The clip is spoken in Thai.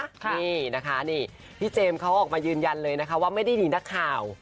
นี่นะคะนี่พี่เจมส์เขาออกมายืนยันเลยนะคะว่าไม่ได้มีนักข่าว